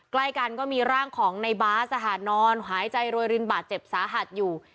ใกล้กันก็มีร่างของในบาสนอนหายใจโรยรินบาดเจ็บสาหัสอยู่